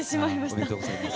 おめでとうございます。